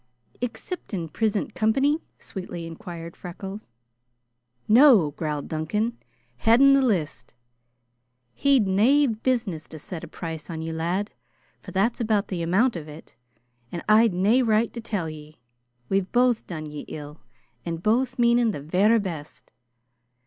"Exciptin' prisint company?" sweetly inquired Freckles. "No!" growled Duncan. "Headin' the list! He'd nae business to set a price on ye, lad, for that's about the amount of it, an' I'd nae right to tell ye. We've both done ye ill, an' both meanin' the verra best.